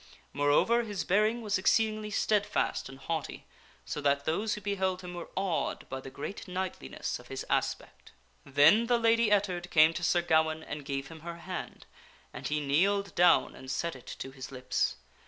Moreover, his bearing was exceedingly steadfast and haughty, so that those who beheld him were awed by the great knightliness of his aspect. Then the Lady Ettard came to Sir Gawaine and gave him her hand, and he kneeled down and set it to his lips.